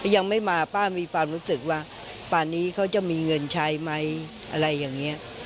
ยังไม่มาป้ามีความรู้สึกว่าป่านนี้เขาจะมีเงินใช้ไหมอะไรอย่างนี้